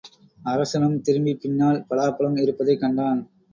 அரசனும் திரும்பிப் பின்னால் பலாப்பழம் இருப்பதைக் கண்டான்.